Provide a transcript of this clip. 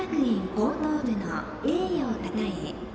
高等部の栄誉をたたえ